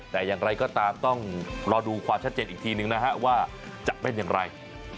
แต่อย่างไรก็ตามต้องรอดูความชัดเจนอีกทีนึงนะฮะว่าจะเป็นอย่างไร